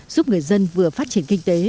giúp người dân vừa phát triển kinh tế